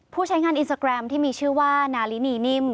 ใช้งานอินสตาแกรมที่มีชื่อว่านาลินีนิ่ม